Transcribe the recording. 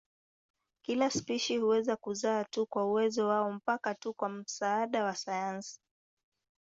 Kila spishi huweza kuzaa tu kwa uwezo wao mpaka tu kwa msaada wa sayansi.